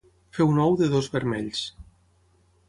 Fer un ou de dos vermells.